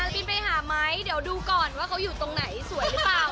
บินไปหาไหมเดี๋ยวดูก่อนว่าเขาอยู่ตรงไหนสวยหรือเปล่า